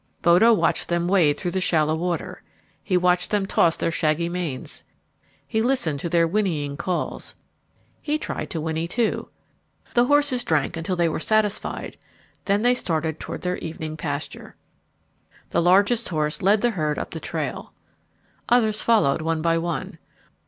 Bodo watched them wade through the shallow water. He watched them toss their shaggy manes. He listened to their whinnying calls. He tried to whinny, too. The horses drank until they were satisfied, then they started toward their evening pasture. [Illustration: "Bodo watched them wade through the shallow water"] The largest horse led the herd up the trail. Others followed one by one.